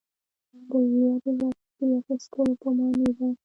دا د لوړې رتبې اخیستلو په معنی ده.